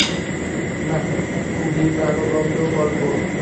না, খুবই প্রাণবন্ত গল্প।